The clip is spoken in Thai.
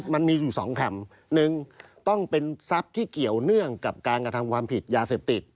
มันมีอยู่สองคำหนึ่งต้องเป็นทรัพย์ที่เกี่ยวเนื่องกับการกระทำความผิดยาเสพติด